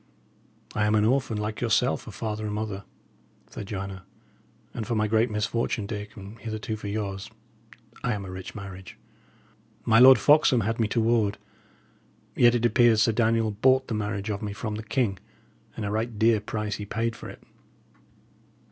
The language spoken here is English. "I am an orphan, like yourself, of father and mother," said Joanna; "and for my great misfortune, Dick, and hitherto for yours, I am a rich marriage. My Lord Foxham had me to ward; yet it appears Sir Daniel bought the marriage of me from the king, and a right dear price he paid for it.